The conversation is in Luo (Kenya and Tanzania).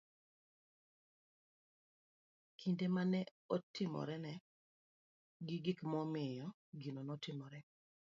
kinde ma ne otimorene, gi gimomiyo gino notimore.